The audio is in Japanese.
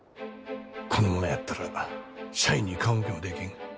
このままやったら社員に顔向けもできん。